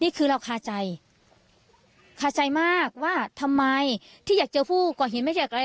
นี่คือเราคาใจคาใจมากว่าทำไมที่อยากเจอผู้ก่อเหตุไม่อยากอะไร